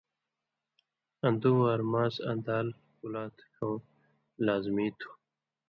اک دُو وار ماس آں دال، کُلات کھؤں لازمی تُھو۔